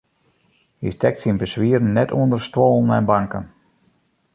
Hy stekt syn beswieren net ûnder stuollen en banken.